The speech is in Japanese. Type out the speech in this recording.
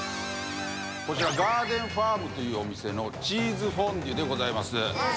こちら「ガーデンファーム」というお店のチーズフォンデュでございます。